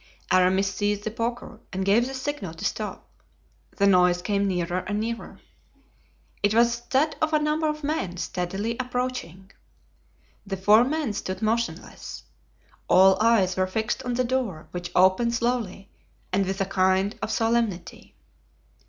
Aramis seized the poker and gave the signal to stop; the noise came nearer and nearer. It was that of a number of men steadily approaching. The four men stood motionless. All eyes were fixed on the door, which opened slowly and with a kind of solemnity.